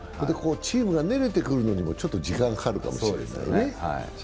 チームが練れてくるのも時間がかかるのかもしれないね。